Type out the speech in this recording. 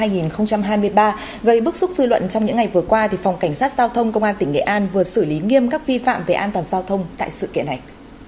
năm hai nghìn hai mươi ba gây bức xúc dư luận trong những ngày vừa qua phòng cảnh sát giao thông công an tỉnh nghệ an vừa xử lý nghiêm các vi phạm về an toàn giao thông tại sự kiện này